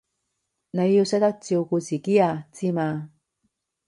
你要識得照顧自己啊，知嘛？